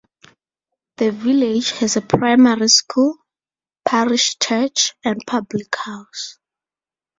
The village has a primary school, parish church and public house.